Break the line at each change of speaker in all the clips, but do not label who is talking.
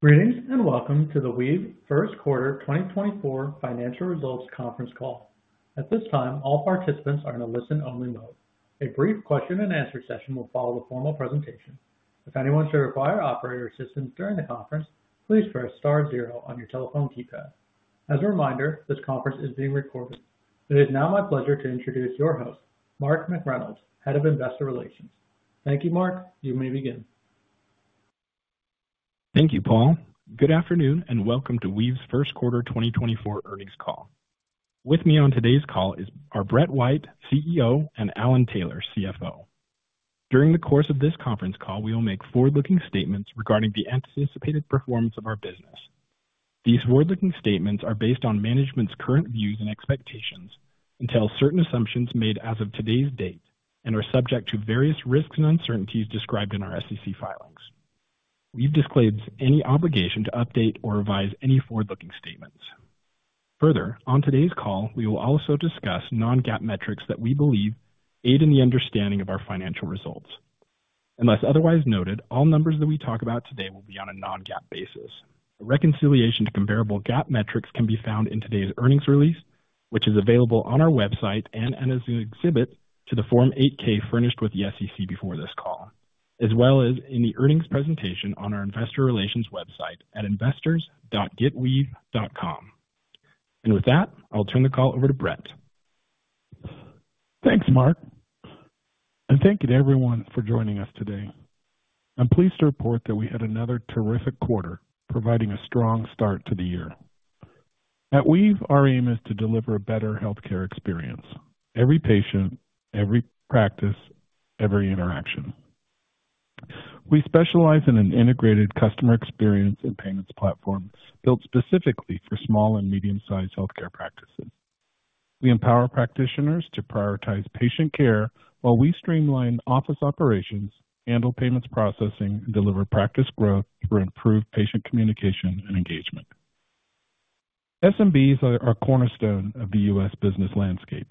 Greetings, and welcome to the Weave first quarter 2024 financial results conference call. At this time, all participants are in a listen-only mode. A brief question and answer session will follow the formal presentation. If anyone should require operator assistance during the conference, please press star zero on your telephone keypad. As a reminder, this conference is being recorded. It is now my pleasure to introduce your host, Mark McReynolds, Head of Investor Relations. Thank you, Mark. You may begin.
Thank you, Paul. Good afternoon, and welcome to Weave's first quarter 2024 earnings call. With me on today's call is our Brett White, CEO, and Alan Taylor, CFO. During the course of this conference call, we will make forward-looking statements regarding the anticipated performance of our business. These forward-looking statements are based on management's current views and expectations and certain assumptions made as of today's date and are subject to various risks and uncertainties described in our SEC filings. We disclaim any obligation to update or revise any forward-looking statements. Further, on today's call, we will also discuss non-GAAP metrics that we believe aid in the understanding of our financial results. Unless otherwise noted, all numbers that we talk about today will be on a non-GAAP basis. A reconciliation to comparable GAAP metrics can be found in today's earnings release, which is available on our website and as an exhibit to the Form 8-K furnished with the SEC before this call, as well as in the earnings presentation on our investor relations website at investors.getweave.com. With that, I'll turn the call over to Brett.
Thanks, Mark, and thank you to everyone for joining us today. I'm pleased to report that we had another terrific quarter, providing a strong start to the year. At Weave, our aim is to deliver a better healthcare experience, every patient, every practice, every interaction. We specialize in an integrated customer experience and payments platform built specifically for small and medium-sized healthcare practices. We empower practitioners to prioritize patient care while we streamline office operations, handle payments, processing, and deliver practice growth through improved patient communication and engagement. SMBs are our cornerstone of the U.S. business landscape.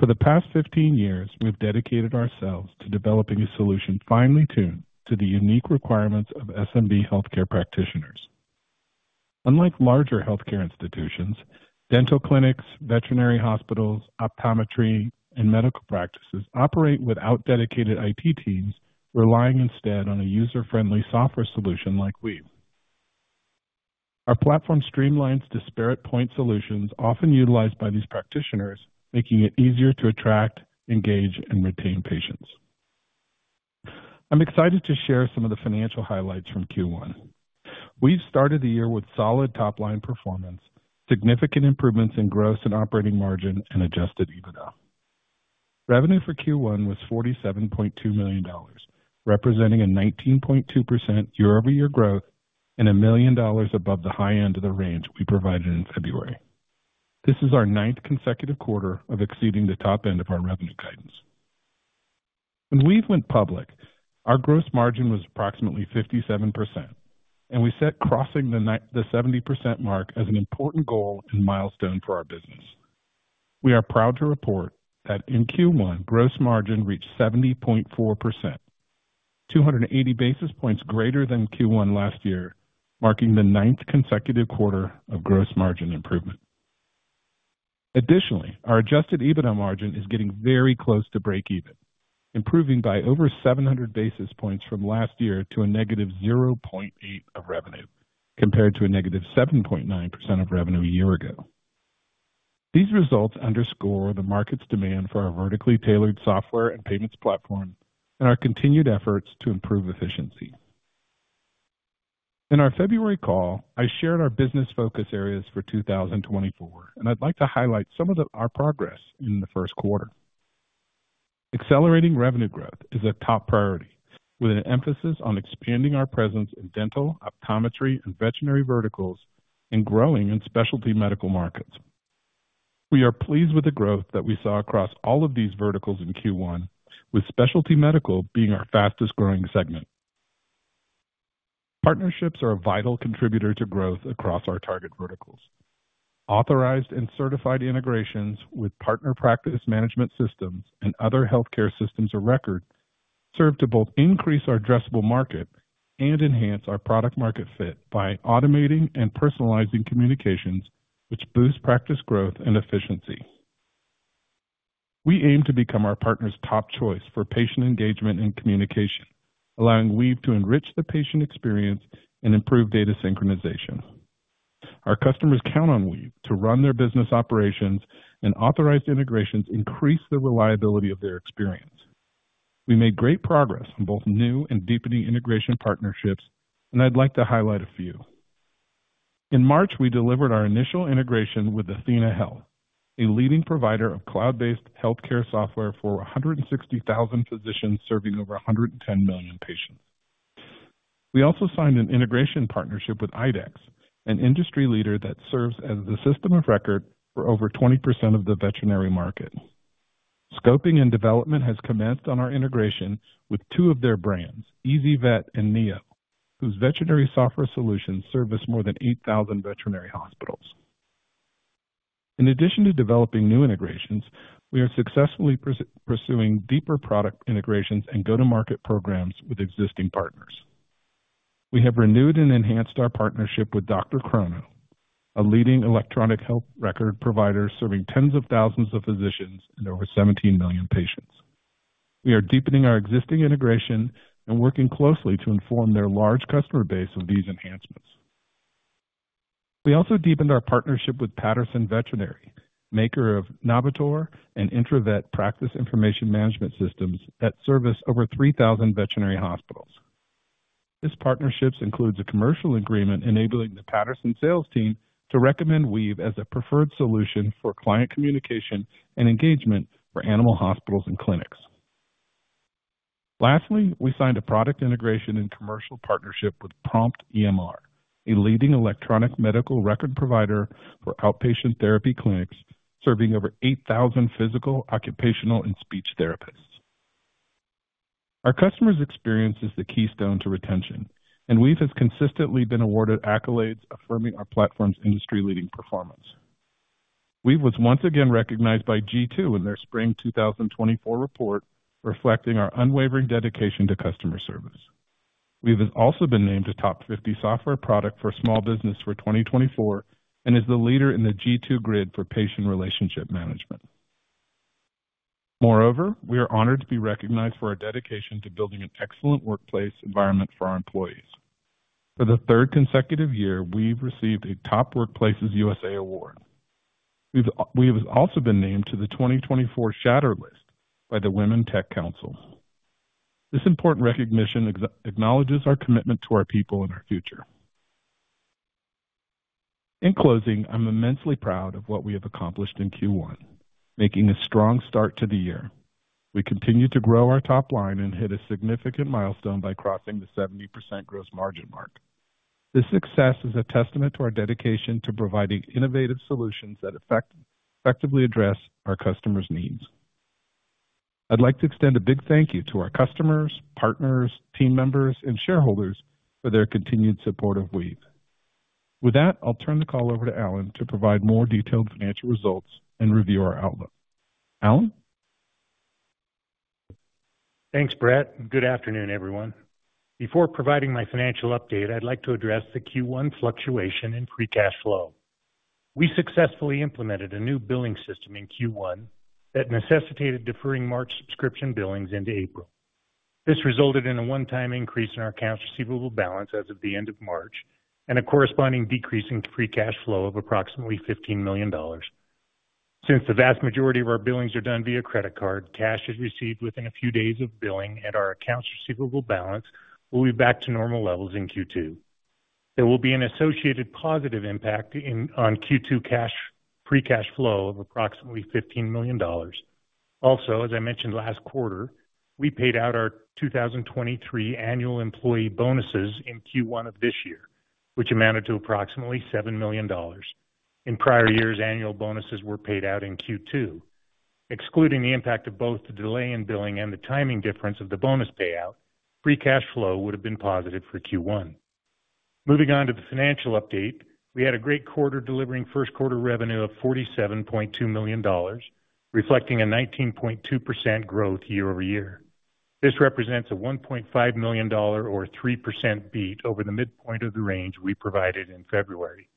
For the past 15 years, we've dedicated ourselves to developing a solution finely tuned to the unique requirements of SMB healthcare practitioners. Unlike larger healthcare institutions, dental clinics, veterinary hospitals, optometry, and medical practices operate without dedicated IT teams, relying instead on a user-friendly software solution like Weave. Our platform streamlines disparate point solutions often utilized by these practitioners, making it easier to attract, engage, and retain patients. I'm excited to share some of the financial highlights from Q1. We've started the year with solid top-line performance, significant improvements in gross and operating margin, and adjusted EBITDA. Revenue for Q1 was $47.2 million, representing a 19.2% year-over-year growth and $1 million above the high end of the range we provided in February. This is our ninth consecutive quarter of exceeding the top end of our revenue guidance. When Weave went public, our gross margin was approximately 57%, and we set crossing the seventy percent mark as an important goal and milestone for our business. We are proud to report that in Q1, gross margin reached 70.4%, 280 basis points greater than Q1 last year, marking the ninth consecutive quarter of gross margin improvement. Additionally, our adjusted EBITDA margin is getting very close to breakeven, improving by over 700 basis points from last year to a -0.8% of revenue, compared to a -7.9% of revenue a year ago. These results underscore the market's demand for our vertically tailored software and payments platform and our continued efforts to improve efficiency. In our February call, I shared our business focus areas for 2024, and I'd like to highlight our progress in the first quarter. Accelerating revenue growth is a top priority, with an emphasis on expanding our presence in dental, optometry, and veterinary verticals, and growing in specialty medical markets. We are pleased with the growth that we saw across all of these verticals in Q1, with specialty medical being our fastest-growing segment. Partnerships are a vital contributor to growth across our target verticals. Authorized and certified integrations with partner practice management systems and other healthcare systems of record serve to both increase our addressable market and enhance our product-market fit by automating and personalizing communications, which boosts practice growth and efficiency. We aim to become our partner's top choice for patient engagement and communication, allowing Weave to enrich the patient experience and improve data synchronization. Our customers count on Weave to run their business operations, and authorized integrations increase the reliability of their experience. We made great progress in both new and deepening integration partnerships, and I'd like to highlight a few. In March, we delivered our initial integration with athenahealth, a leading provider of cloud-based healthcare software for 160,000 physicians serving over 110 million patients. We also signed an integration partnership with IDEXX, an industry leader that serves as the system of record for over 20% of the veterinary market. Scoping and development has commenced on our integration with two of their brands, ezyVet and Neo, whose veterinary software solutions service more than 8,000 veterinary hospitals. In addition to developing new integrations, we are successfully pursuing deeper product integrations and go-to-market programs with existing partners. We have renewed and enhanced our partnership with DrChrono, a leading electronic health record provider serving tens of thousands of physicians and over 17 million patients. We are deepening our existing integration and working closely to inform their large customer base of these enhancements. We also deepened our partnership with Patterson Veterinary, maker of NaVetor and IntraVet practice information management systems that service over 3,000 veterinary hospitals. This partnership includes a commercial agreement enabling the Patterson sales team to recommend Weave as a preferred solution for client communication and engagement for animal hospitals and clinics. Lastly, we signed a product integration and commercial partnership with Prompt EMR, a leading electronic medical record provider for outpatient therapy clinics, serving over 8,000 physical, occupational, and speech therapists. Our customers' experience is the keystone to retention, and Weave has consistently been awarded accolades affirming our platform's industry-leading performance. Weave was once again recognized by G2 in their Spring 2024 report, reflecting our unwavering dedication to customer service. Weave has also been named a Top 50 Software Product for Small Business for 2024, and is the leader in the G2 Grid for patient relationship management. Moreover, we are honored to be recognized for our dedication to building an excellent workplace environment for our employees. For the third consecutive year, Weave received a Top Workplaces USA award. Weave has also been named to the 2024 Shatter List by the Women Tech Council. This important recognition acknowledges our commitment to our people and our future. In closing, I'm immensely proud of what we have accomplished in Q1, making a strong start to the year. We continued to grow our top line and hit a significant milestone by crossing the 70% gross margin mark. This success is a testament to our dedication to providing innovative solutions that effectively address our customers' needs. I'd like to extend a big thank you to our customers, partners, team members, and shareholders for their continued support of Weave. With that, I'll turn the call over to Alan to provide more detailed financial results and review our outlook. Alan?
Thanks, Brett, and good afternoon, everyone. Before providing my financial update, I'd like to address the Q1 fluctuation in free cash flow. We successfully implemented a new billing system in Q1 that necessitated deferring March subscription billings into April. This resulted in a one-time increase in our accounts receivable balance as of the end of March, and a corresponding decrease in free cash flow of approximately $15 million. Since the vast majority of our billings are done via credit card, cash is received within a few days of billing, and our accounts receivable balance will be back to normal levels in Q2. There will be an associated positive impact in Q2 free cash flow of approximately $15 million. Also, as I mentioned last quarter, we paid out our 2023 annual employee bonuses in Q1 of this year, which amounted to approximately $7 million. In prior years, annual bonuses were paid out in Q2. Excluding the impact of both the delay in billing and the timing difference of the bonus payout, free cash flow would have been positive for Q1. Moving on to the financial update, we had a great quarter, delivering first quarter revenue of $47.2 million, reflecting a 19.2% growth year-over-year. This represents a $1.5 million or 3% beat over the midpoint of the range we provided in February.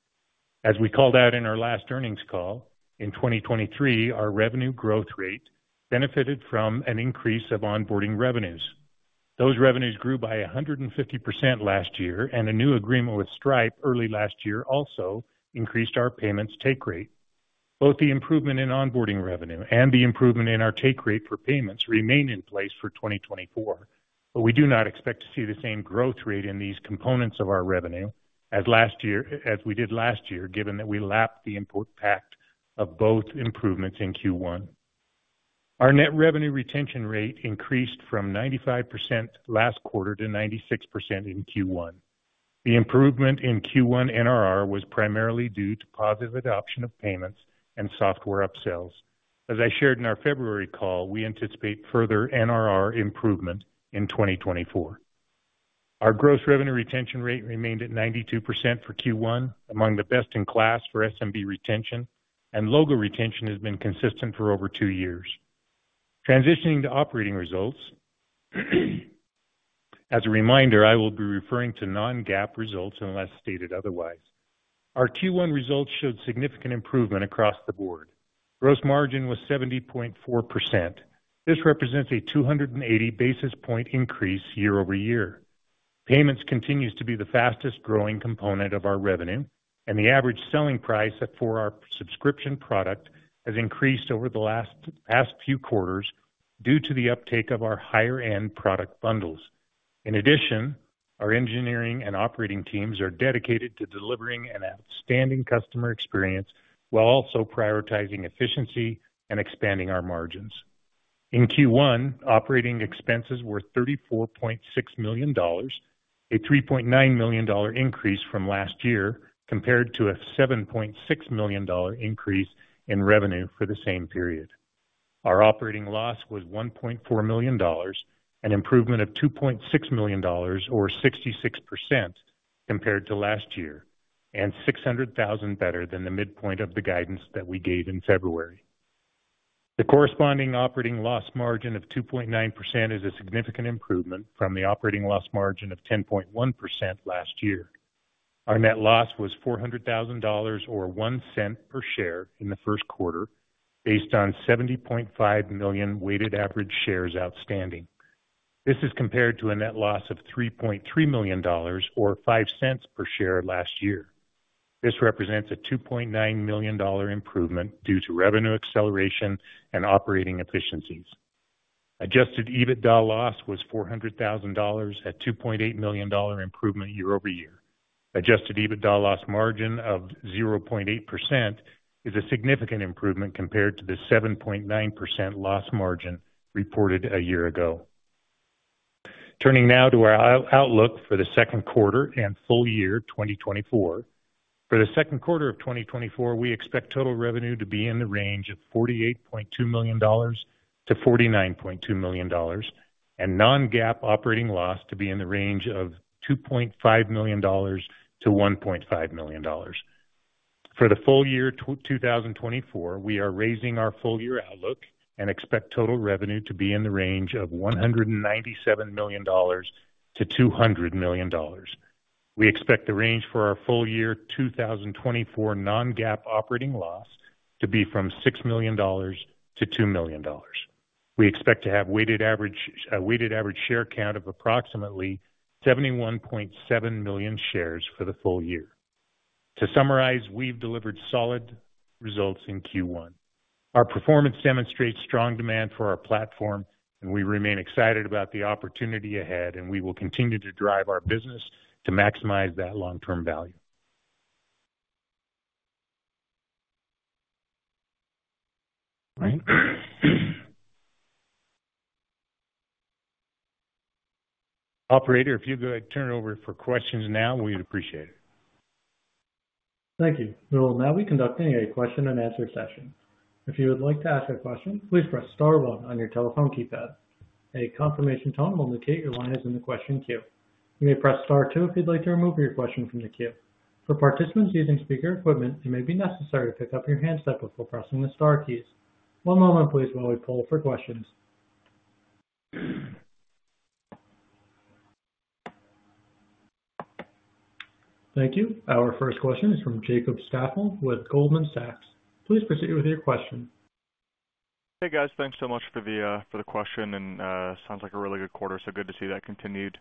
As we called out in our last earnings call, in 2023, our revenue growth rate benefited from an increase of onboarding revenues. Those revenues grew by 150% last year, and a new agreement with Stripe early last year also increased our payments take rate. Both the improvement in onboarding revenue and the improvement in our take rate for payments remain in place for 2024, but we do not expect to see the same growth rate in these components of our revenue as last year, as we did last year, given that we lapped the impact of both improvements in Q1. Our net revenue retention rate increased from 95% last quarter to 96% in Q1. The improvement in Q1 NRR was primarily due to positive adoption of payments and software upsells. As I shared in our February call, we anticipate further NRR improvement in 2024. Our gross revenue retention rate remained at 92% for Q1, among the best-in-class for SMB retention, and logo retention has been consistent for over two years. Transitioning to operating results, as a reminder, I will be referring to non-GAAP results unless stated otherwise. Our Q1 results showed significant improvement across the board. Gross margin was 70.4%. This represents a 280 basis point increase year-over-year. Payments continues to be the fastest-growing component of our revenue, and the average selling price for our subscription product has increased over the past few quarters due to the uptake of our higher-end product bundles. In addition, our engineering and operating teams are dedicated to delivering an outstanding customer experience while also prioritizing efficiency and expanding our margins. In Q1, operating expenses were $34.6 million, a $3.9 million increase from last year, compared to a $7.6 million increase in revenue for the same period. Our operating loss was $1.4 million, an improvement of $2.6 million or 66% compared to last year, and $600,000 better than the midpoint of the guidance that we gave in February. The corresponding operating loss margin of 2.9% is a significant improvement from the operating loss margin of 10.1% last year. Our net loss was $400,000 or $0.01 per share in the first quarter, based on 70.5 million weighted average shares outstanding. This is compared to a net loss of $3.3 million or $0.05 per share last year. This represents a $2.9 million improvement due to revenue acceleration and operating efficiencies. Adjusted EBITDA loss was $400,000, a $2.8 million improvement year-over-year. Adjusted EBITDA loss margin of 0.8% is a significant improvement compared to the 7.9% loss margin reported a year ago. Turning now to our outlook for the second quarter and full year, 2024. For the second quarter of 2024, we expect total revenue to be in the range of $48.2 million-$49.2 million, and non-GAAP operating loss to be in the range of $2.5 million-$1.5 million. For the full year 2024, we are raising our full year outlook and expect total revenue to be in the range of $197 million-$200 million. We expect the range for our full year 2024 non-GAAP operating loss to be from $6 million-$2 million. We expect to have weighted average, weighted average share count of approximately 71.7 million shares for the full year. To summarize, we've delivered solid results in Q1. Our performance demonstrates strong demand for our platform, and we remain excited about the opportunity ahead, and we will continue to drive our business to maximize that long-term value. Operator, if you go ahead and turn it over for questions now, we'd appreciate it.
Thank you. We will now be conducting a question and answer session. If you would like to ask a question, please press star one on your telephone keypad. A confirmation tone will indicate your line is in the question queue. You may press star two if you'd like to remove your question from the queue. For participants using speaker equipment, it may be necessary to pick up your handset before pressing the star keys. One moment, please, while we poll for questions. Thank you. Our first question is from Jacob Staffel with Goldman Sachs. Please proceed with your question.
Hey, guys. Thanks so much for the, for the question, and sounds like a really good quarter, so good to see that continued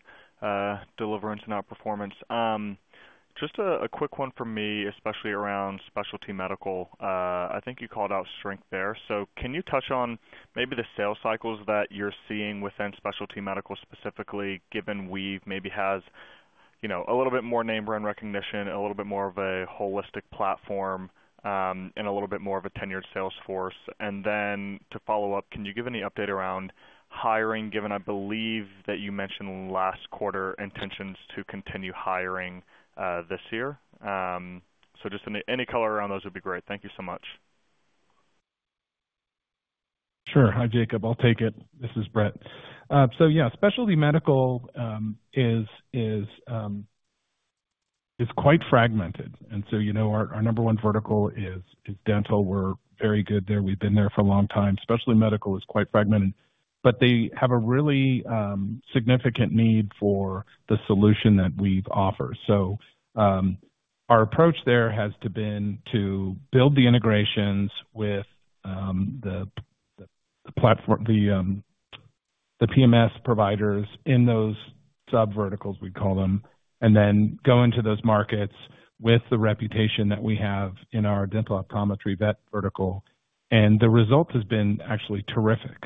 deliverance and outperformance. Just a quick one for me, especially around specialty medical. I think you called out strength there. So can you touch on maybe the sales cycles that you're seeing within specialty medical specifically, given Weave maybe has, you know, a little bit more name brand recognition, a little bit more of a holistic platform, and a little bit more of a tenured sales force? And then to follow up, can you give any update around hiring, given I believe that you mentioned last quarter intentions to continue hiring this year? So just any color around those would be great. Thank you so much.
Sure. Hi, Jacob. I'll take it. This is Brett. So yeah, specialty medical is quite fragmented, and so, you know, our number one vertical is dental. We're very good there. We've been there for a long time. Specialty medical is quite fragmented, but they have a really significant need for the solution that Weave offers. So, our approach there has to been to build the integrations with the platform, the PMS providers in those sub verticals, we call them, and then go into those markets with the reputation that we have in our dental, optometry, vet vertical. And the result has been actually terrific.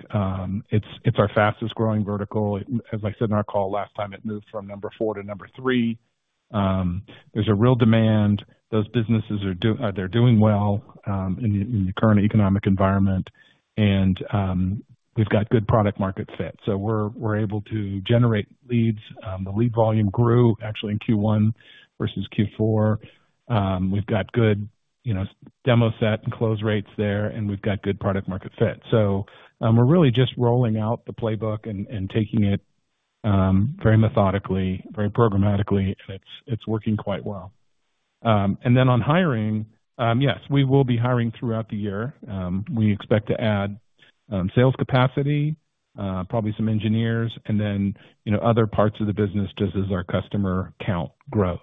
It's our fastest growing vertical. As I said in our call last time, it moved from number four to number three. There's a real demand. Those businesses are, they're doing well in the current economic environment, and we've got good product market fit. So we're able to generate leads. The lead volume grew actually in Q1 versus Q4. We've got good, you know, demo set and close rates there, and we've got good product market fit. So we're really just rolling out the playbook and taking it very methodically, very programmatically, and it's working quite well. And then on hiring, yes, we will be hiring throughout the year. We expect to add sales capacity, probably some engineers and then other parts of the business just as our customer count grows.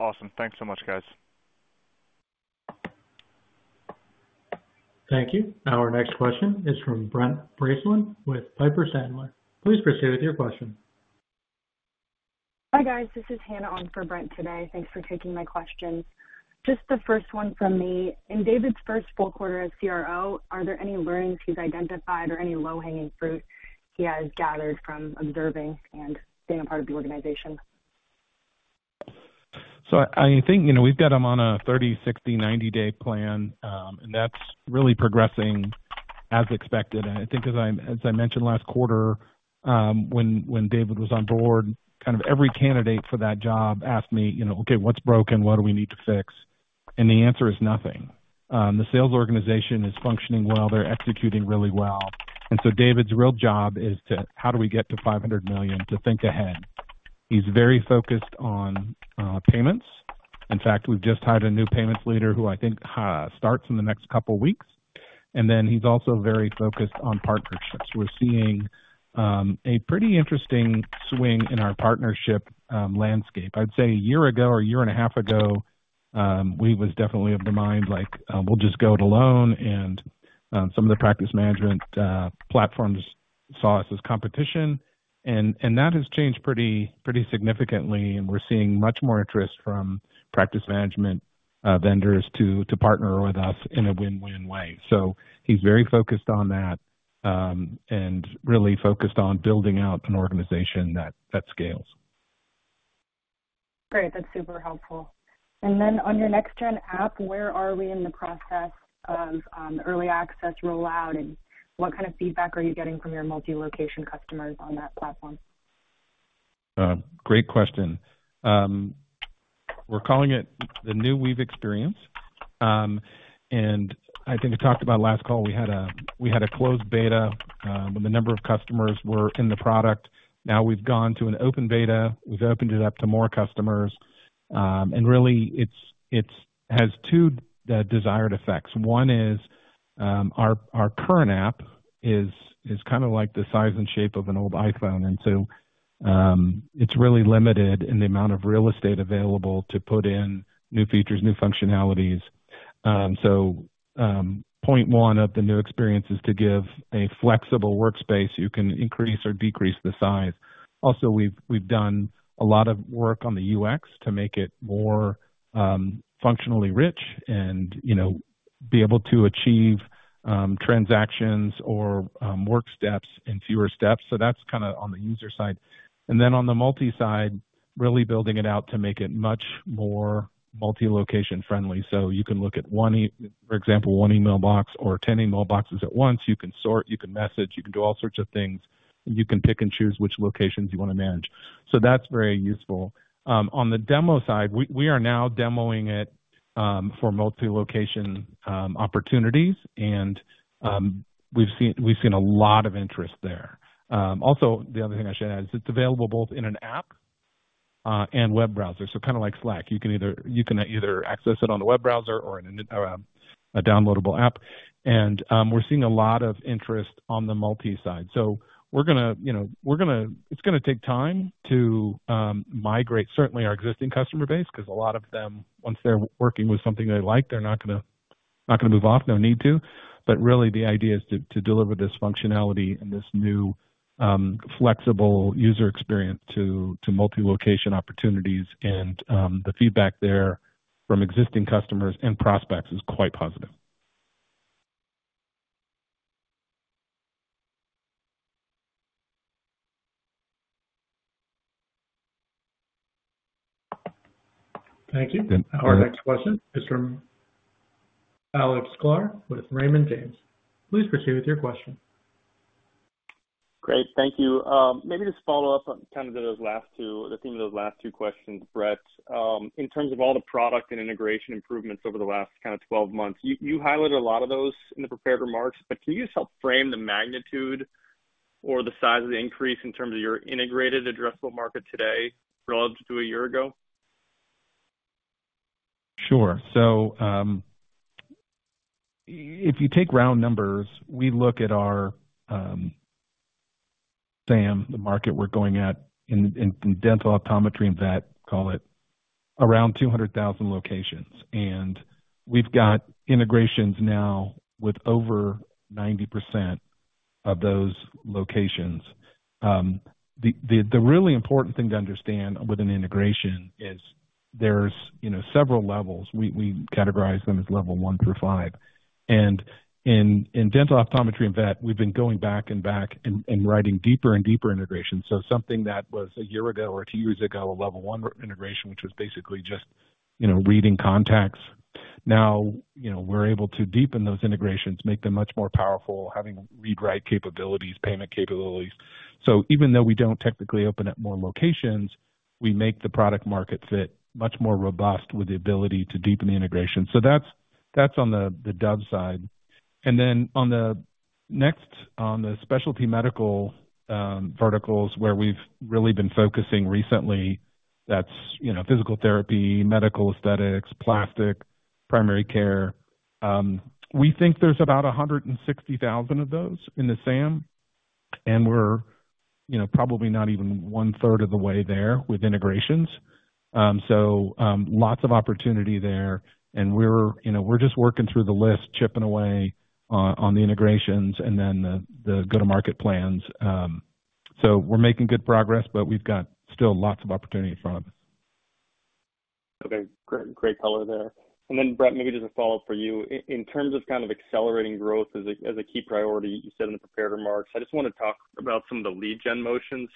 Awesome. Thanks so much, guys.
Thank you. Our next question is from Brent Bracelin with Piper Sandler. Please proceed with your question.
Hi, guys. This is Hannah on for Brent today. Thanks for taking my questions. Just the first one from me. In David's first full quarter as CRO, are there any learnings he's identified or any low-hanging fruit he has gathered from observing and being a part of the organization?
I think, you know, we've got him on a 30-, 60-, 90-day plan, and that's really progressing as expected, and I think as I mentioned last quarter, when David was on board, kind of every candidate for that job asked me, you know, "Okay, what's broken? What do we need to fix?" And the answer is nothing. The sales organization is functioning well. They're executing really well. And so David's real job is to, how do we get to $500 million to think ahead? He's very focused on payments. In fact, we've just hired a new payments leader, who I think starts in the next couple weeks, and then he's also very focused on partnerships. We're seeing a pretty interesting swing in our partnership landscape. I'd say a year ago or a year and a half ago, Weave was definitely of the mind, like, we'll just go it alone, and some of the practice management platforms saw us as competition. And that has changed pretty, pretty significantly, and we're seeing much more interest from practice management vendors to partner with us in a win-win way. So he's very focused on that, and really focused on building out an organization that scales.
Great. That's super helpful. And then on your next gen app, where are we in the process of early access rollout, and what kind of feedback are you getting from your multi-location customers on that platform?
Great question. We're calling it the New Weave Experience. And I think we talked about last call, we had a closed beta when the number of customers were in the product. Now we've gone to an open beta. We've opened it up to more customers. And really, it has two desired effects. One is, our current app is kind of like the size and shape of an old iPhone, and so, it's really limited in the amount of real estate available to put in new features, new functionalities. Point one of the new experience is to give a flexible workspace. You can increase or decrease the size. Also, we've done a lot of work on the UX to make it more functionally rich and, you know, be able to achieve transactions or work steps in fewer steps. So that's kind of on the user side. And then on the multi side, really building it out to make it much more multi-location friendly. So you can look at one email box, for example, or 10 email boxes at once. You can sort, you can message, you can do all sorts of things. You can pick and choose which locations you want to manage. So that's very useful. On the demo side, we are now demoing it for multi-location opportunities, and we've seen a lot of interest there. Also, the other thing I should add is it's available both in an app and web browser, so kind of like Slack. You can either access it on a web browser or in a downloadable app. And we're seeing a lot of interest on the multi side. So we're gonna, you know, we're gonna. It's gonna take time to migrate certainly our existing customer base, 'cause a lot of them, once they're working with something they like, they're not gonna move off. No need to. But really the idea is to deliver this functionality and this new flexible user experience to multi-location opportunities, and the feedback there from existing customers and prospects is quite positive.
Thank you. Our next question is from Alex Sklar with Raymond James. Please proceed with your question.
Great. Thank you. Maybe just follow up on kind of those last two, the theme of those last two questions, Brett. In terms of all the product and integration improvements over the last kind of 12 months, you, you highlighted a lot of those in the prepared remarks, but can you just help frame the magnitude or the size of the increase in terms of your integrated addressable market today relative to a year ago?
Sure. So, if you take round numbers, we look at our SAM, the market we're going at in dental, optometry, and vet, call it, around 200,000 locations, and we've got integrations now with over 90% of those locations. The really important thing to understand with an integration is there's, you know, several levels. We categorize them as Level 1 through 5. And in dental, optometry, and vet, we've been going back and writing deeper and deeper integrations. So something that was, a year ago or two years ago, a Level 1 integration, which was basically just, you know, reading contacts. Now, you know, we're able to deepen those integrations, make them much more powerful, having read-write capabilities, payment capabilities. So even though we don't technically open up more locations, we make the product market fit much more robust with the ability to deepen the integration. So that's on the dental side. And then on the specialty medical verticals, where we've really been focusing recently, that's, you know, physical therapy, medical aesthetics, plastic, primary care. We think there's about 160,000 of those in the SAM, and we're, you know, probably not even one third of the way there with integrations. So, lots of opportunity there, and we're, you know, we're just working through the list, chipping away on the integrations and then the go-to-market plans. So we're making good progress, but we've got still lots of opportunity in front of us.
Okay, great, great color there. And then, Brett, maybe just a follow-up for you. In terms of kind of accelerating growth as a, as a key priority, you said in the prepared remarks, I just want to talk about some of the lead gen motions.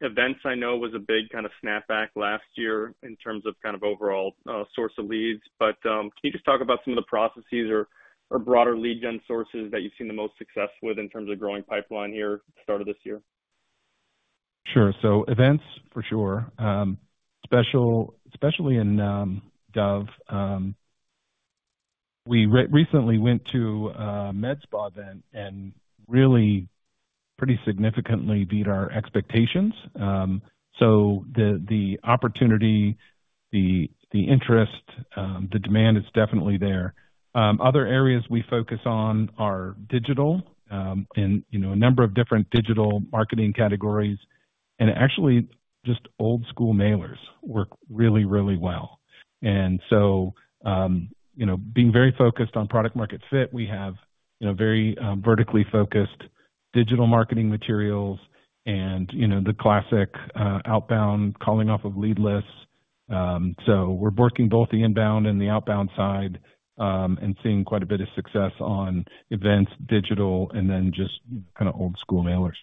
Events I know was a big kind of snapback last year in terms of kind of overall source of leads. But, can you just talk about some of the processes or broader lead gen sources that you've seen the most success with in terms of growing pipeline here at the start of this year?
Sure. So events, for sure. Especially in dental, we recently went to a med spa event and really pretty significantly beat our expectations. So the opportunity, the interest, the demand is definitely there. Other areas we focus on are digital, and, you know, a number of different digital marketing categories, and actually, just old school mailers work really, really well. And so, you know, being very focused on product market fit, we have, you know, very vertically focused digital marketing materials and, you know, the classic, outbound calling off of lead lists. So we're working both the inbound and the outbound side, and seeing quite a bit of success on events, digital, and then just kinda old school mailers.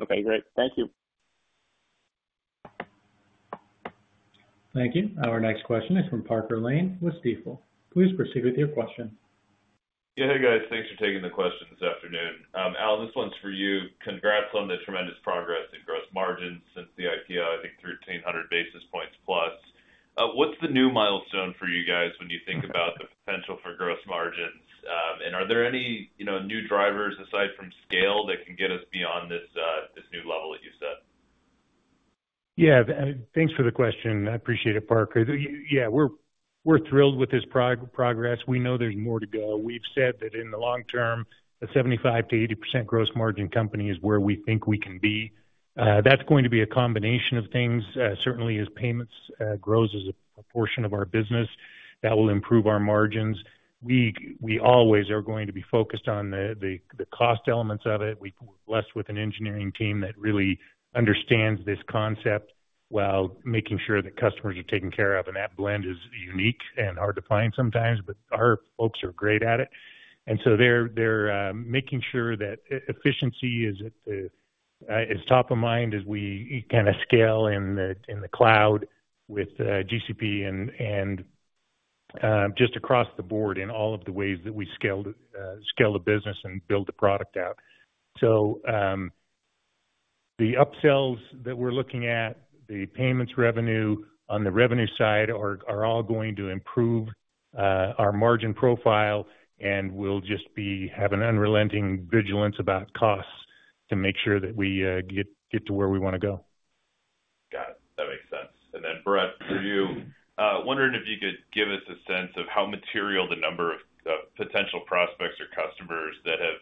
Okay, great. Thank you.
Thank you. Our next question is from Parker Lane with Stifel. Please proceed with your question.
Yeah. Hey, guys, thanks for taking the question this afternoon. Al, this one's for you. Congrats on the tremendous progress in gross margins since the IPO, I think 1,300+ basis points. What's the new milestone for you guys when you think about the potential for gross margins? And are there any, you know, new drivers aside from scale that can get us beyond this new level that you set?
Yeah, thanks for the question. I appreciate it, Parker. Yeah, we're, we're thrilled with this progress. We know there's more to go. We've said that in the long term, a 75%-80% gross margin company is where we think we can be. That's going to be a combination of things. Certainly as payments grows as a portion of our business, that will improve our margins. We, we always are going to be focused on the cost elements of it. We're blessed with an engineering team that really understands this concept while making sure that customers are taken care of, and that blend is unique and hard to find sometimes, but our folks are great at it. And so they're making sure that efficiency is at the top of mind as we kinda scale in the cloud with GCP and just across the board in all of the ways that we scale the business and build the product out. So the upsells that we're looking at, the payments revenue on the revenue side are all going to improve our margin profile, and we'll just have an unrelenting vigilance about costs to make sure that we get to where we wanna go.
Got it. That makes sense. And then, Brett, for you, wondering if you could give us a sense of how material the number of potential prospects or customers that have,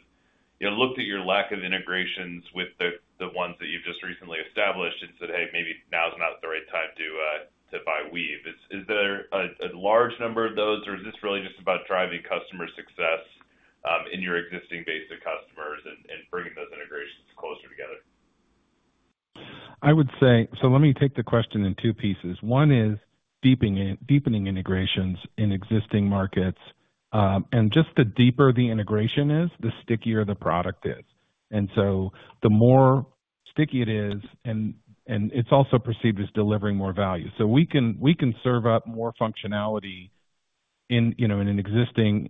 you know, looked at your lack of integrations with the ones that you've just recently established and said, "Hey, maybe now is not the right time to buy Weave." Is there a large number of those, or is this really just about driving customer success in your existing base of customers and bringing those integrations closer together?
I would say, so let me take the question in two pieces. One is deepening integrations in existing markets, and just the deeper the integration is, the stickier the product is. And so the more sticky it is, and it's also perceived as delivering more value. So we can serve up more functionality in, you know, in an existing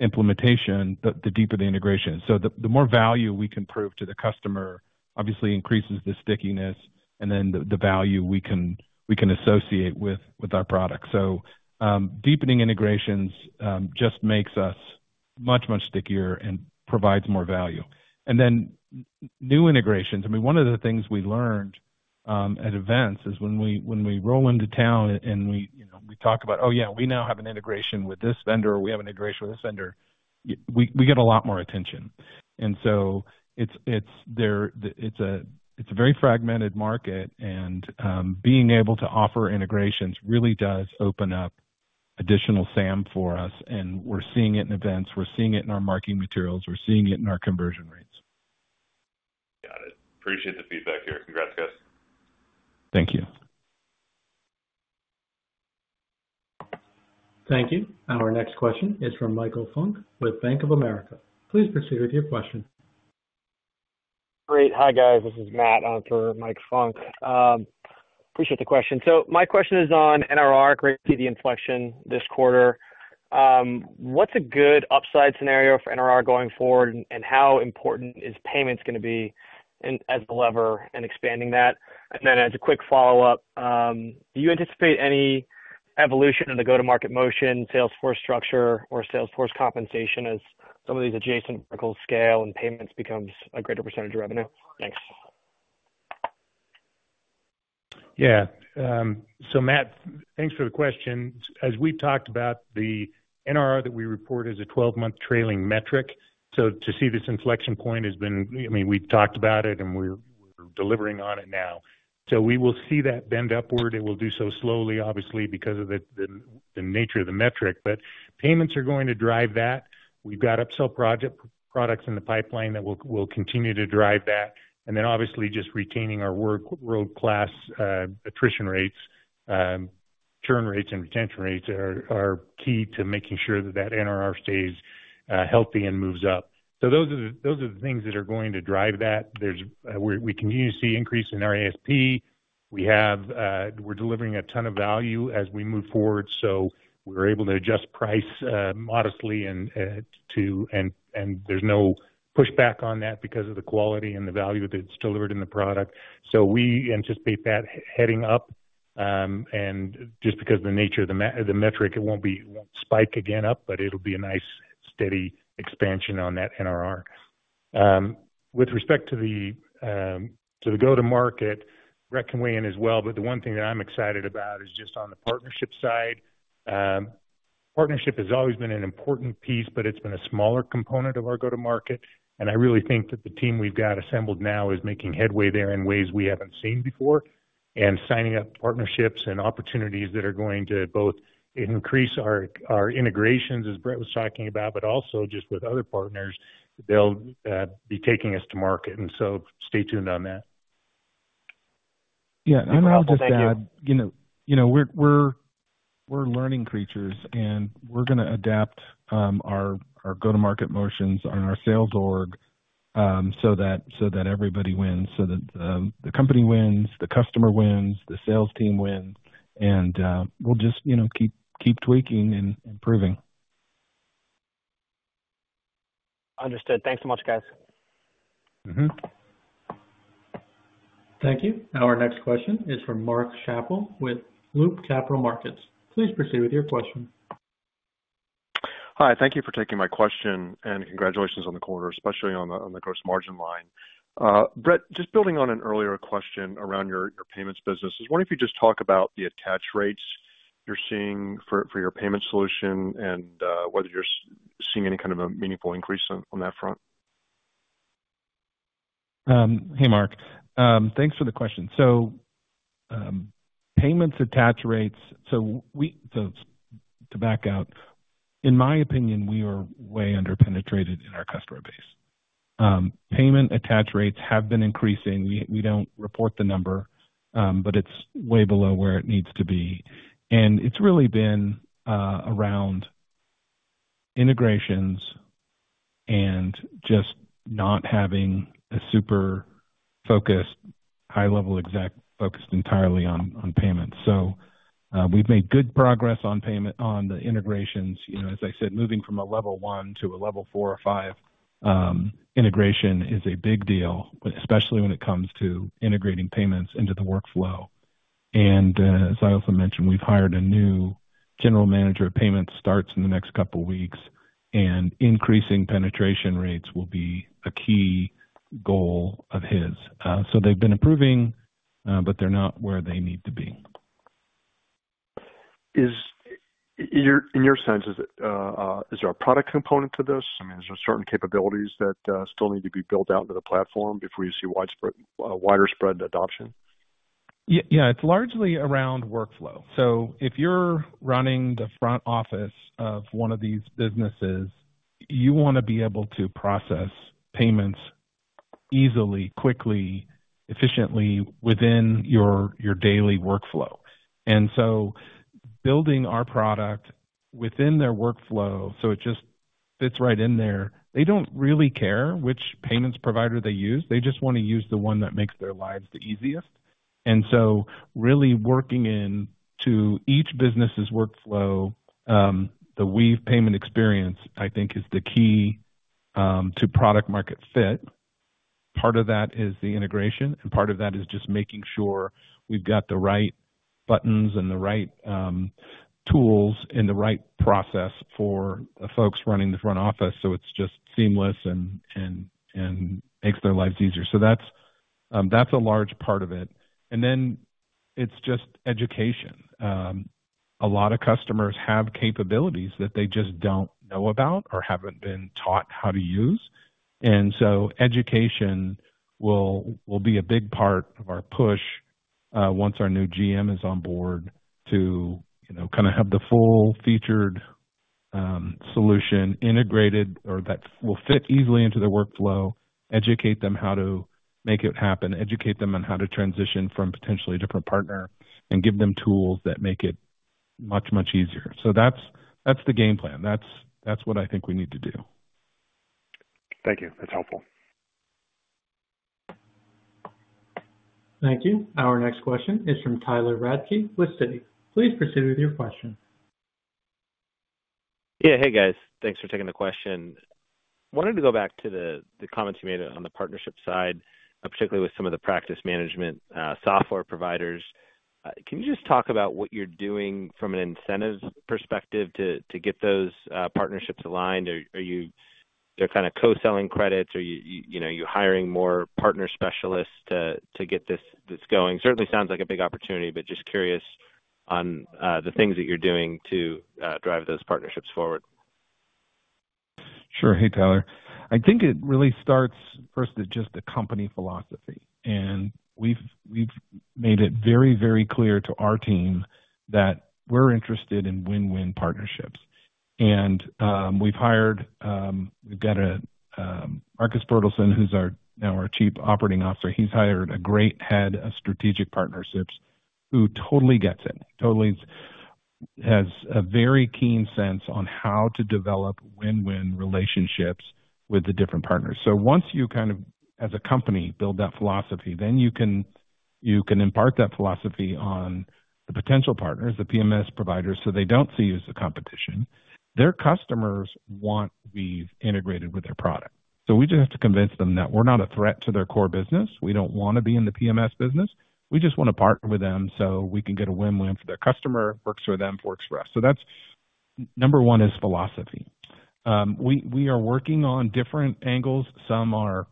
implementation, the deeper the integration. So the more value we can prove to the customer obviously increases the stickiness and then the value we can associate with our product. So deepening integrations just makes us much stickier and provides more value. New integrations, I mean, one of the things we learned at events is when we, when we roll into town and we, you know, we talk about, "Oh, yeah, we now have an integration with this vendor, or we have an integration with this vendor," we get a lot more attention. And so it's a very fragmented market, and being able to offer integrations really does open up additional SAM for us, and we're seeing it in events, we're seeing it in our marketing materials, we're seeing it in our conversion rates.
Got it. Appreciate the feedback here. Congrats, guys.
Thank you.
Thank you. Our next question is from Michael Funk with Bank of America. Please proceed with your question.
Great. Hi, guys. This is Matt, on for Mike Funk. Appreciate the question. So my question is on NRR, great to see the inflection this quarter. What's a good upside scenario for NRR going forward, and, and how important is payments gonna be in, as the lever in expanding that? And then as a quick follow-up, do you anticipate any evolution in the go-to-market motion, sales force structure, or sales force compensation as some of these adjacent scale and payments becomes a greater percentage of revenue? Thanks.
Yeah. So Matt, thanks for the question. As we've talked about, the NRR that we report is a 12-month trailing metric, so to see this inflection point has been—I mean, we've talked about it, and we're, we're delivering on it now. So we will see that bend upward. It will do so slowly, obviously, because of the, the, the nature of the metric, but payments are going to drive that. We've got upsell products in the pipeline that will, will continue to drive that. And then obviously, just retaining our world-class attrition rates, churn rates and retention rates are, are key to making sure that that NRR stays healthy and moves up. So those are the, those are the things that are going to drive that. There's—we, we continue to see increase in our ASP. We have, we're delivering a ton of value as we move forward, so we're able to adjust price modestly and there's no pushback on that because of the quality and the value that's delivered in the product. So we anticipate that heading up, and just because the nature of the metric, it won't spike again up, but it'll be a nice, steady expansion on that NRR. With respect to the to the go-to-market, Brett can weigh in as well, but the one thing that I'm excited about is just on the partnership side. Partnership has always been an important piece, but it's been a smaller component of our go-to-market, and I really think that the team we've got assembled now is making headway there in ways we haven't seen before, and signing up partnerships and opportunities that are going to both increase our integrations, as Brett was talking about, but also just with other partners, they'll be taking us to market, and so stay tuned on that.
Yeah, and I'll just add, you know, we're learning creatures, and we're gonna adapt our go-to-market motions and our sales org, so that everybody wins. So that the company wins, the customer wins, the sales team wins, and we'll just, you know, keep tweaking and improving.
Understood. Thanks so much, guys.
Mm-hmm.
Thank you. Our next question is from Mark Schappel with Loop Capital Markets. Please proceed with your question.
Hi, thank you for taking my question, and congratulations on the quarter, especially on the gross margin line. Brett, just building on an earlier question around your payments business, I was wondering if you could just talk about the attach rates you're seeing for your payment solution and whether you're seeing any kind of a meaningful increase on that front?
Hey, Mark, thanks for the question. So, payments attach rates. So, to back out, in my opinion, we are way underpenetrated in our customer base. Payment attach rates have been increasing. We don't report the number, but it's way below where it needs to be. And it's really been around integrations and just not having a super focused, high-level exec focused entirely on payments. So we've made good progress on payment, on the integrations. You know, as I said, moving from a Level 1 to a Level 4 or 5 integration is a big deal, especially when it comes to integrating payments into the workflow. And as I also mentioned, we've hired a new general manager of payments, starts in the next couple weeks, and increasing penetration rates will be a key goal of his. So they've been improving, but they're not where they need to be.
In your sense, is there a product component to this? I mean, is there certain capabilities that still need to be built out into the platform before you see widespread, wider spread adoption?
Yeah, it's largely around workflow. So if you're running the front office of one of these businesses, you wanna be able to process payments easily, quickly, efficiently, within your daily workflow. And so building our product within their workflow, so it just fits right in there, they don't really care which payments provider they use. They just wanna use the one that makes their lives the easiest. And so really working in to each business's workflow, the Weave payment experience, I think, is the key to product-market fit. Part of that is the integration, and part of that is just making sure we've got the right buttons and the right tools and the right process for the folks running the front office, so it's just seamless and makes their lives easier. So that's a large part of it. Then it's just education. A lot of customers have capabilities that they just don't know about or haven't been taught how to use. So education will, will be a big part of our push once our new GM is on board, to, you know, kind of have the full featured solution integrated or that will fit easily into their workflow, educate them how to make it happen, educate them on how to transition from potentially a different partner, and give them tools that make it much, much easier. So that's, that's the game plan. That's, that's what I think we need to do.
Thank you. That's helpful.
Thank you. Our next question is from Tyler Radke with Citi. Please proceed with your question.
Yeah. Hey, guys. Thanks for taking the question. Wanted to go back to the comments you made on the partnership side, particularly with some of the practice management software providers. Can you just talk about what you're doing from an incentives perspective to get those partnerships aligned? Are you, they're kind of co-selling credits? Are you, you know, are you hiring more partner specialists to get this going? Certainly sounds like a big opportunity, but just curious on the things that you're doing to drive those partnerships forward.
Sure. Hey, Tyler. I think it really starts first with just the company philosophy, and we've made it very, very clear to our team that we're interested in win-win partnerships. And, we've hired, we've got a Marcus Bertelsen, who's our, now our Chief Operating Officer. He's hired a great head of strategic partnerships who totally gets it, totally has a very keen sense on how to develop win-win relationships with the different partners. So once you kind of, as a company, build that philosophy, then you can, you can impart that philosophy on the potential partners, the PMS providers, so they don't see you as a competition. Their customers want Weave integrated with their product. So we just have to convince them that we're not a threat to their core business. We don't want to be in the PMS business. We just want to partner with them so we can get a win-win for their customer. Works for them, works for us. So that's number one is philosophy. We are working on different angles. Some are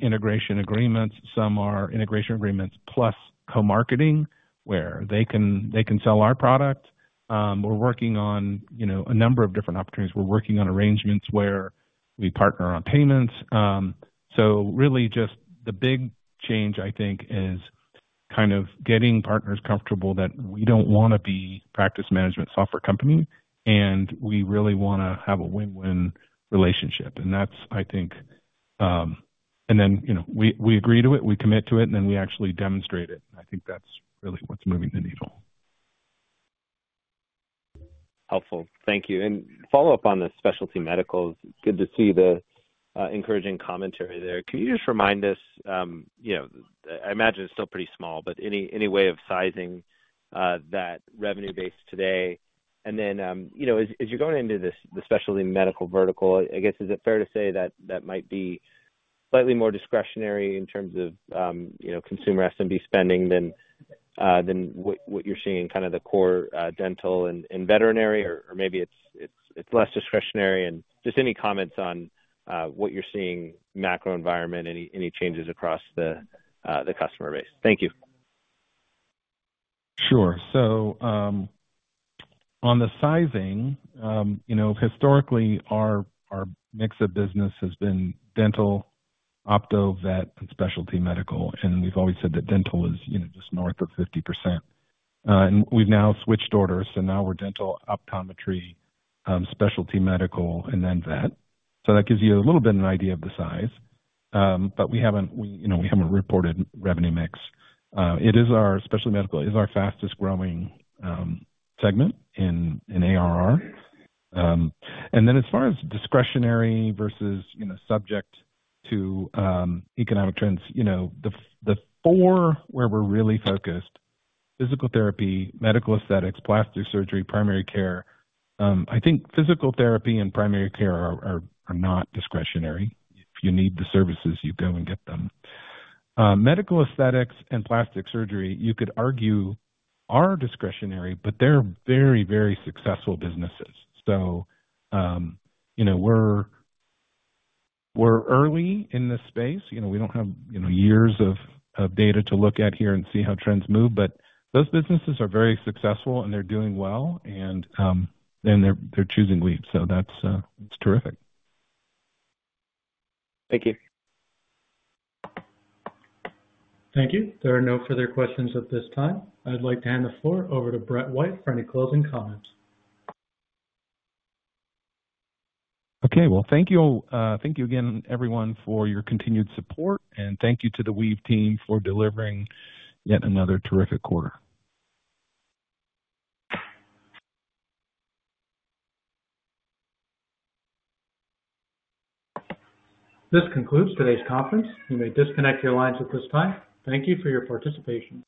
integration agreements, some are integration agreements plus co-marketing, where they can sell our product. We're working on, you know, a number of different opportunities. We're working on arrangements where we partner on payments. So really just the big change, I think, is kind of getting partners comfortable that we don't want to be a practice management software company, and we really wanna have a win-win relationship. And that's, I think. And then, you know, we agree to it, we commit to it, and then we actually demonstrate it. I think that's really what's moving the needle.
Helpful. Thank you. Follow-up on the specialty medical. Good to see the encouraging commentary there. Can you just remind us, you know, I imagine it's still pretty small, but any way of sizing that revenue base today? And then, you know, as you're going into this, the specialty medical vertical, I guess, is it fair to say that that might be slightly more discretionary in terms of, you know, consumer SMB spending than what you're seeing in kind of the core dental and veterinary? Or maybe it's less discretionary and just any comments on what you're seeing, macro environment, any changes across the customer base? Thank you.
Sure. So, on the sizing, you know, historically, our mix of business has been dental, opto, vet, and specialty medical, and we've always said that dental is, you know, just north of 50%. And we've now switched orders, so now we're dental, optometry, specialty medical, and then vet. So that gives you a little bit of an idea of the size. But we haven't, you know, we haven't reported revenue mix. It is our specialty medical is our fastest-growing segment in ARR. And then as far as discretionary versus, you know, subject to economic trends, you know, the four where we're really focused: physical therapy, medical aesthetics, plastic surgery, primary care. I think physical therapy and primary care are not discretionary. If you need the services, you go and get them. Medical aesthetics and plastic surgery, you could argue, are discretionary, but they're very, very successful businesses. So, you know, we're early in this space. You know, we don't have, you know, years of data to look at here and see how trends move, but those businesses are very successful, and they're doing well, and they're choosing Weave. So that's terrific.
Thank you.
Thank you. There are no further questions at this time. I'd like to hand the floor over to Brett White for any closing comments.
Okay, well, thank you. Thank you again, everyone, for your continued support, and thank you to the Weave team for delivering yet another terrific quarter.
This concludes today's conference. You may disconnect your lines at this time. Thank you for your participation.